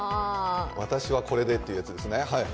「私はこれで」というやつですね。